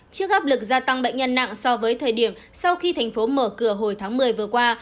trước áp lực gia tăng bệnh nhân nặng so với thời điểm sau khi thành phố mở cửa hồi tháng một mươi vừa qua